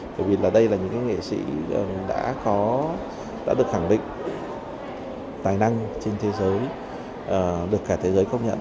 bởi vì là đây là những nghệ sĩ đã được khẳng định tài năng trên thế giới được cả thế giới công nhận